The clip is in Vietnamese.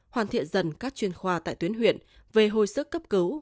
hoàn thiện dần các chuyên khoa tại tuyến huyện về hồi sức cấp cứu